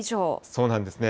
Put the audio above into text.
そうなんですね。